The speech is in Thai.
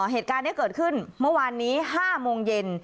เหตุการณ์นี้เกิดขึ้นเมื่อวานนี้๕โมงเย็น